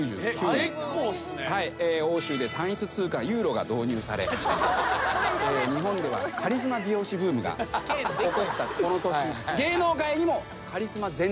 欧州で単一通貨ユーロが導入され日本ではカリスマ美容師ブームが起こったこの年芸能界にもカリスマ全裸師が現れます。